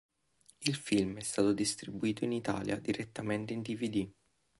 Il film è stato distribuito in Italia direttamente in dvd.